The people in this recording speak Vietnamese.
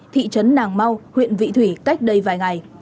thị trấn nàng mau huyện vị thủy cách đây vài ngày